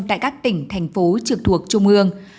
tại các tỉnh thành phố trực thuộc trung ương